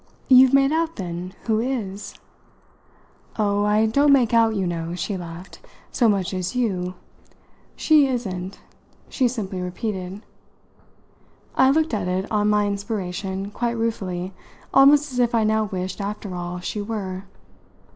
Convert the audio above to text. "You've made out then who is?" "Oh, I don't make out, you know," she laughed, "so much as you! She isn't," she simply repeated. I looked at it, on my inspiration, quite ruefully almost as if I now wished, after all, she were.